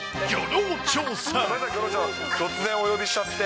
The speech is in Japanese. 突然、お呼びしちゃって。